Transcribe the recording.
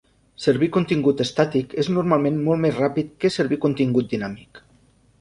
Servir contingut estàtic és normalment molt més ràpid que servir contingut dinàmic.